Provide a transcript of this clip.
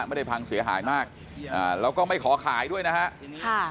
ไม่ได้พังเสียหายมากแล้วก็ไม่ขอขายด้วยนะฮะ